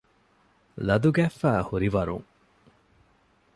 ލަދުގަތްފައި ހުރިވަރުން